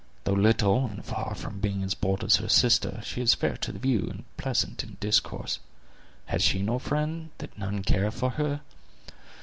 Though little, and far from being as bold as her sister, she is fair to the view, and pleasant in discourse. Has she no friend, that none care for her?"